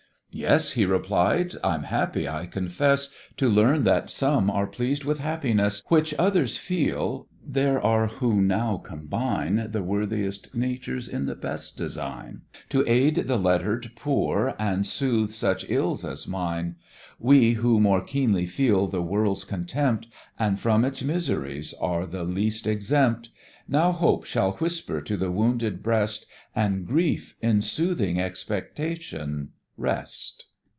"Yes," he replied, "I'm happy, I confess, To learn that some are pleased with happiness Which others feel there are who now combine The worthiest natures in the best design, To aid the letter'd poor, and soothe such ills as mine. We who more keenly feel the world's contempt, And from its miseries are the least exempt; Now Hope shall whisper to the wounded breast And Grief, in soothing expectation, rest.